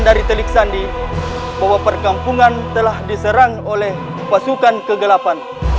diterik sandi bahwa perkampungan telah diserang oleh pasukan kegelapan